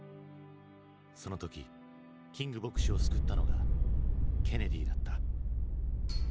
その時キング牧師を救ったのがケネディだった。